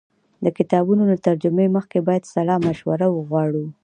د کتابونو له ترجمې مخکې باید سلا مشوره وغواړو.